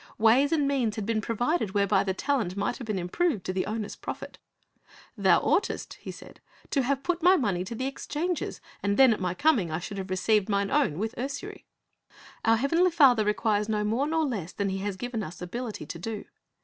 Ways and means had been provided whereby the talent might have been improved to the owner's profit. " Thou oughtest, " he said, " to have put my money to the exchangers, and then at my coming I should have received mine own with usury. '' Our Heavenly Father requires no more nor less than He has given us ability to do.